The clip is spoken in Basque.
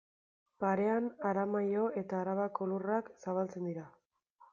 Parean Aramaio eta Arabako lurrak zabaltzen dira.